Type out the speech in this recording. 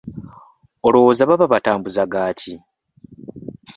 Olowooza baba batambuza gaaki?